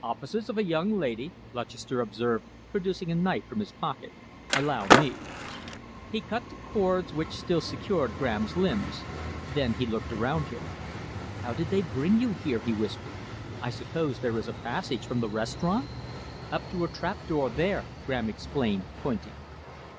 "Offices of a young lady," Lutchester observed, producing a knife from his pocket. "Allow me!" He cut the cords which still secured Graham's limbs. Then he looked around him. "How did they bring you here?" he whispered. "I suppose there is a passage from the restaurant?" "Up through a trapdoor there," Graham explained, pointing.